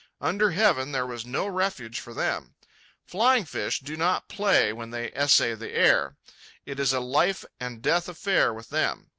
Under heaven there was no refuge for them. Flying fish do not play when they essay the air. It is a life and death affair with them.